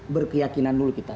berkeyakinan dulu kita